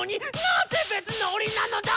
なぜ別の檻なのだ！